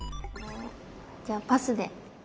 じゃあパスで。